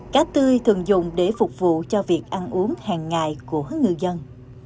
cá tươi thường dùng để phục vụ cho việc ăn uống hàng ngày của ngư dân